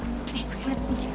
nih gue ngetuk kunci